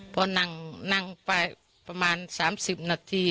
พอนั่งไปประมาณ๓๐นาที